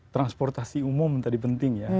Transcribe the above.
transportasi umum tadi penting ya